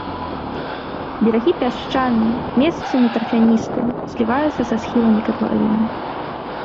Берагі пясчаныя, месцамі тарфяністыя, зліваюцца са схіламі катлавіны.